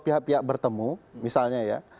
pihak pihak bertemu misalnya ya